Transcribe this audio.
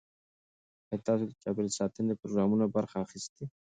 ایا تاسو د چاپیریال ساتنې پروګرامونو برخه یاست؟